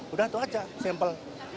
udah tuh aja sampel